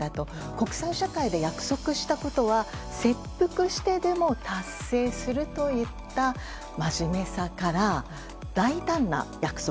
国際社会で約束したことは切腹してでも達成するといった真面目さから大胆な約束。